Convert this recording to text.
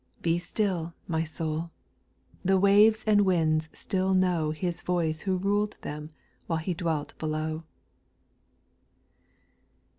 Be still, my soul ! the waves and winds still know His voice who ruled them while He dwelt below.